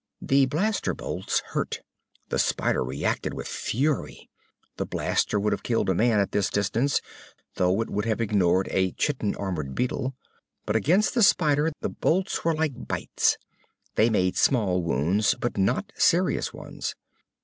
The blaster bolts hurt. The spider reacted with fury. The blaster would have killed a man at this distance, though it would have been ignored by a chitin armored beetle. But against the spider the bolts were like bites. They made small wounds, but not serious ones.